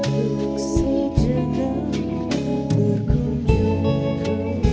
untuk sejalan berkunjung kau